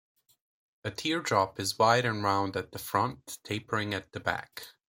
A teardrop is wide and round at the front, tapering at the back.